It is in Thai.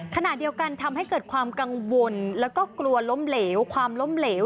ขณะเดียวกันทำให้เกิดความกังวลและกลัวล้มเหลว